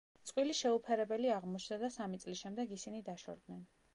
წყვილი შეუფერებელი აღმოჩნდა და სამი წლის შემდეგ ისინი დაშორდნენ.